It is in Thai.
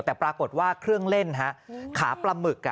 แต่ปรากฏว่าเครื่องเล่นขาปลาหมึก